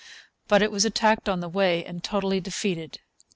But it was attacked on the way and totally defeated.